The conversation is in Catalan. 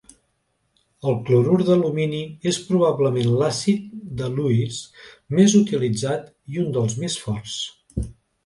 El clorur d'alumini és probablement l'àcid de Lewis més utilitzat i un dels més forts.